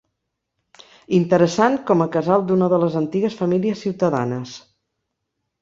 Interessant com a casal d'una de les antigues famílies ciutadanes.